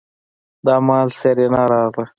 دا مهال سېرېنا راغله.